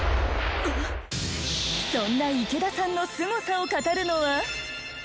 そんな池田さんのスゴさを語るのは。